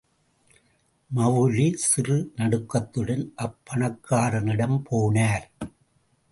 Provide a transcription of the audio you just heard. மவுல்வி—சிறு நடுக்கத்துடன் அப் பணக்காரனிடம் போனார்.